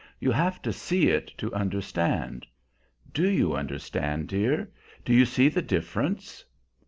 You have to see it to understand. Do you understand, dear? Do you see the difference?"